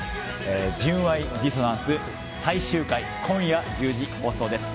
「純愛ディソナンス」最終回今夜１０時放送です。